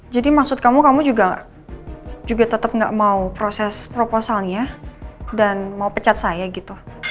jadi maksud kamu kamu juga tetap gak mau proses proposalnya dan mau pecat saya gitu